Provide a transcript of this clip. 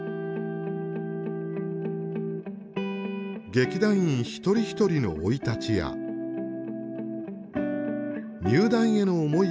劇団員一人一人の生い立ちや入団への思いを伝えるインタビュー。